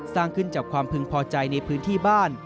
สร้างขึ้นจากความพึงพอใจในพื้นที่บ้าน